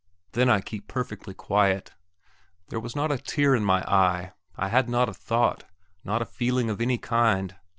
then I keep perfectly quiet. There was not a tear in my eyes; I had not a thought, not a feeling of any kind.